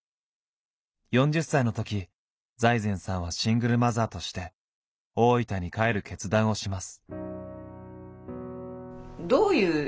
４０歳のとき財前さんはシングルマザーとして大分に帰る決断をします。